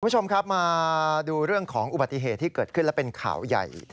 คุณผู้ชมครับมาดูเรื่องของอุบัติเหตุที่เกิดขึ้นและเป็นข่าวใหญ่